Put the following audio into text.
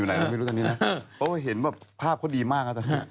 พระเว้ยเปล่าเห็นว่าภาพเขาดีมาก